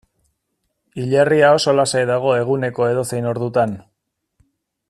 Hilerria oso lasai dago eguneko edozein ordutan.